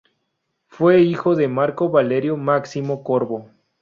Fue hijo de Marco Valerio Máximo Corvo.